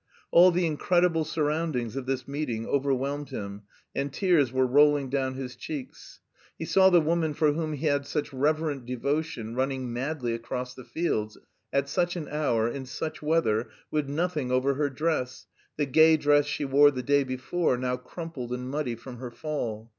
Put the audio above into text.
All the incredible surroundings of this meeting overwhelmed him, and tears were rolling down his cheeks. He saw the woman for whom he had such reverent devotion running madly across the fields, at such an hour, in such weather, with nothing over her dress, the gay dress she wore the day before now crumpled and muddy from her fall....